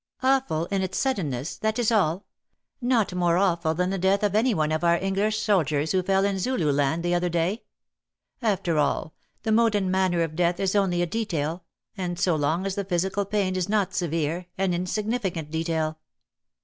^' "Awful in its suddenness, that is all — not more awful than the death of any one of our English soldiers who fell in Zululand the other day. After all, the mode and manner of death is only a detail, and, so long as the physical pain is not severe, an insignificant detail.